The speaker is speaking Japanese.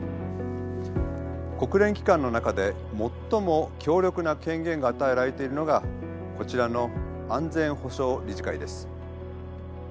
国連機関の中で最も強力な権限が与えられているのがこちらの安全保障理事会です。